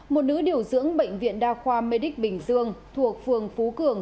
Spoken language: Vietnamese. một nữ điều dưỡng bệnh viện đa khoa medic bình dương thuộc phường phú cường